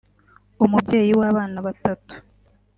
umubyeyi w’abana batatu